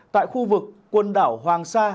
tại khu vực quân đảo hoàng sa